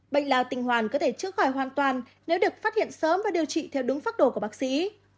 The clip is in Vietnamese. bệnh lao tình hoàn có thể chữa khỏi hoàn toàn nếu được phát hiện sớm và điều trị theo đúng pháp đồ của bác sĩ